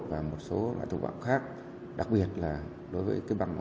và một số thủ vọng khác đặc biệt là đối với các băng ổ nhóm